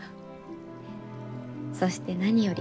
そして何より。